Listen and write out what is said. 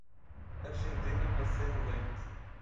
Argentina Maciel Leite